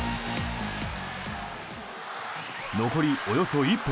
残りおよそ１分。